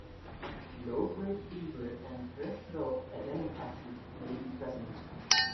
Low grade fever and peripheral adenopathy may be present.